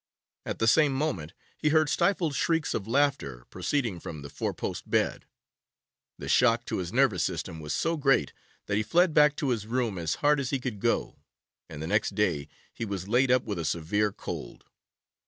At the same moment he heard stifled shrieks of laughter proceeding from the four post bed. The shock to his nervous system was so great that he fled back to his room as hard as he could go, and the next day he was laid up with a severe cold.